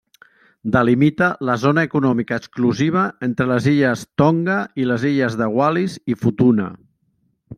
Delimita la zona econòmica exclusiva entre les illes Tonga i les de Wallis i Futuna.